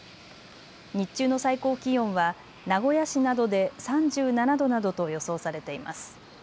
日中の最高気温は名古屋市などで３７度などと予想されています。